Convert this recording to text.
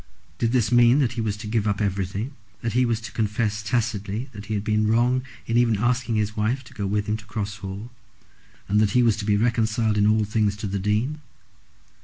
Did this mean that he was to give up everything, that he was to confess tacitly that he had been wrong in even asking his wife to go with him to Cross Hall, and that he was to be reconciled in all things to the Dean?